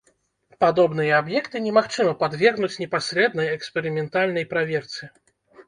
Падобныя аб'екты немагчыма падвергнуць непасрэднай эксперыментальнай праверцы.